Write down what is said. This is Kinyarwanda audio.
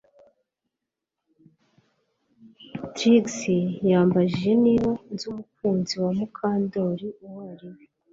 Trix yambajije niba nzi umukunzi wa Mukandoli uwo ari we